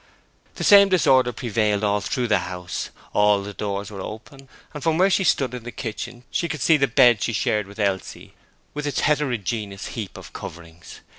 The same disorder prevailed all through the house: all the doors were open, and from where she stood in the kitchen she could see the bed she shared with Elsie, with its heterogeneous heap of coverings.